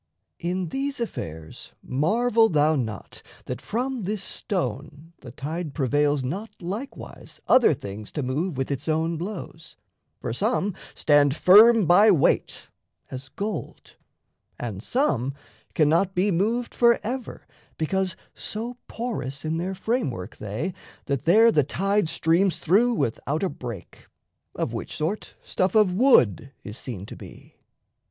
In these affairs Marvel thou not that from this stone the tide Prevails not likewise other things to move With its own blows: for some stand firm by weight, As gold; and some cannot be moved forever, Because so porous in their framework they That there the tide streams through without a break, Of which sort stuff of wood is seen to be.